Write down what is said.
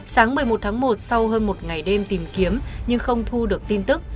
sáng một mươi một tháng một sau hơn một ngày đêm tìm kiếm nhưng không thu được tin tức